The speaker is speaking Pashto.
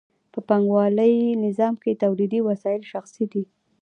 په پانګوالي نظام کې تولیدي وسایل شخصي دي